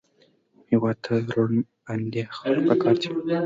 هېواد ته روڼ اندي خلک پکار دي